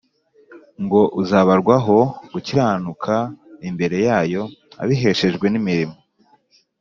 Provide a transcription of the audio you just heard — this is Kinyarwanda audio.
ngo uzabarwaho gukiranuka imbere yayo abiheshejwe n imirimo